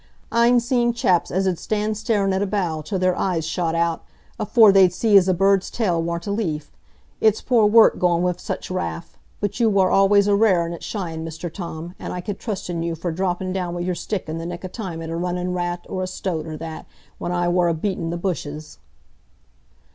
I'n seen chaps as 'ud stand starin' at a bough till their eyes shot out, afore they'd see as a bird's tail warn't a leaf. It's poor work goin' wi' such raff. But you war allays a rare un at shying, Mr Tom, an' I could trusten to you for droppin' down wi' your stick in the nick o' time at a runnin' rat, or a stoat, or that, when I war a beatin' the bushes."